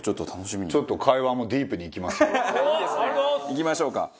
いきましょうか。